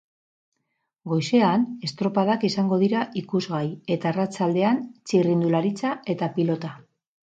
Goizean estropadak izango dira ikusgai, eta arratsaldean txirrindularitza eta pilota.